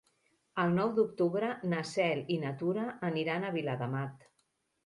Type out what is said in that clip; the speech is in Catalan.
El nou d'octubre na Cel i na Tura aniran a Viladamat.